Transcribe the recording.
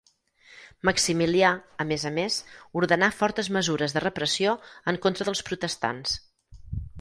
Maximilià, a més a més, ordenà fortes mesures de repressió en contra dels protestants.